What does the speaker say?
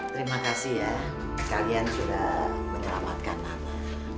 terima kasih ya kalian sudah menyelamatkan anak